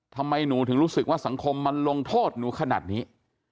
ทำไมหนูถึงรู้สึกว่าสังคมมันลงโทษหนูขนาดนี้